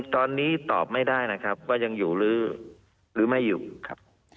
ตอนนี้ตอบไม่ได้นะครับว่ายังอยู่หรือไม่อยู่ครับ